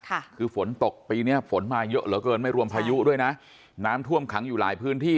ค่ะคือฝนตกปีเนี้ยฝนมาเยอะเหลือเกินไม่รวมพายุด้วยนะน้ำท่วมขังอยู่หลายพื้นที่